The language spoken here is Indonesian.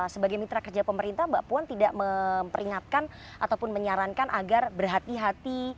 sebagai mitra kerja pemerintah mbak puan tidak memperingatkan ataupun menyarankan agar berhati hati